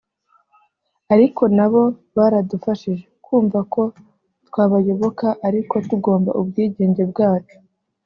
Ariko nabo baradufashije […] kumva ko twabayoboka ariko tugomba ubwigenge bwacu